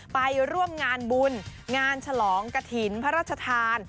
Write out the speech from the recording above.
ไปร่วมงานบุญงานฉลองกระถิ่นพระราชทาน